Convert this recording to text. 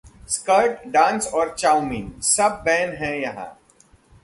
skirt, dance और chowmein, सब ban है यहां...